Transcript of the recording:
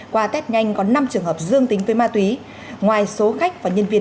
qua test nhanh có năm trường hợp dương tính với ma túy ngoài số khách và nhân viên